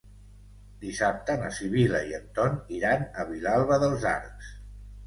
Dissabte na Sibil·la i en Ton iran a Vilalba dels Arcs.